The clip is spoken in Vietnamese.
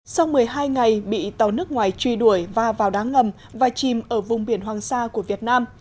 sau một mươi hai ngày bị tàu nước ngoài truy đuổi và vào đá ngầm và chìm ở vùng biển hoàng sa của việt nam